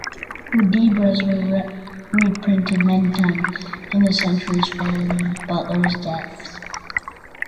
"Hudibras" was reprinted many times in the centuries following Butler's death.